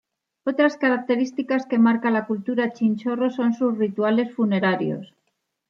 Otras características que marca la cultura Chinchorro son sus rituales funerarios.